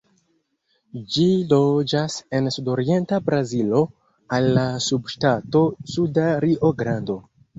Ĝi loĝas en sudorienta Brazilo al la subŝtato Suda Rio-Grando.